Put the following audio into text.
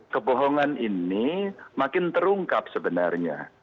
kebohongan ini makin terungkap sebenarnya